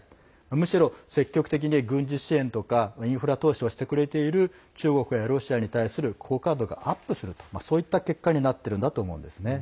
むしろ積極的に軍事支援とかインフラ投資をしてくれているロシアや中国への好感度がアップするという結果になっていると思うんですね。